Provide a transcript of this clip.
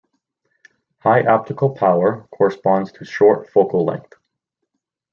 High optical power corresponds to short focal length.